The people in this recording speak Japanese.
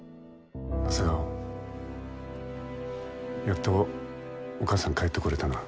やっとお母さん帰ってこれたな。